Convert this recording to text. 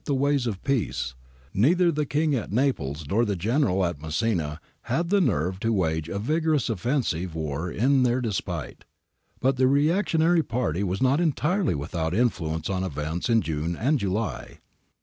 I DISTRACTED COUNSELS 71 ways of peace, neither the King at Naples nor the General at Messina had the nerve to wage a vigorous offensive war in their despite. But the reactionary party was not entirely without influence on events in June and July.